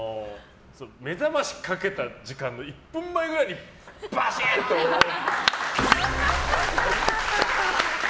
めざましかけた時間の１分前くらいにバシッ！と起きる。